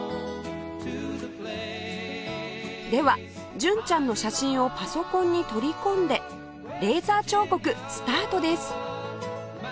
では純ちゃんの写真をパソコンに取り込んでレーザー彫刻スタートです